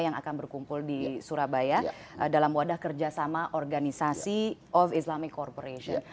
yang akan berkumpul di surabaya dalam wadah kerjasama organisasi off islamic corporation